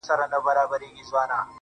لپاره دې ښار كي په جنگ اوسېږم